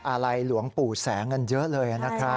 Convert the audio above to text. อาลัยหลวงปู่แสงเยอะเลยนะครับ